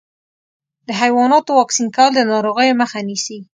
د حيواناتو واکسین کول د ناروغیو مخه نیسي.